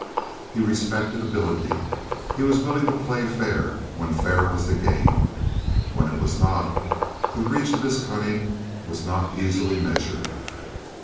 He respected ability; he was willing to play fair when fair was the game. When it was not, the reach of his cunning was not easily measured.